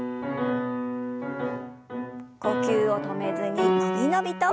呼吸を止めずに伸び伸びと。